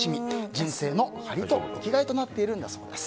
人生のハリと生きがいとなっているそうです。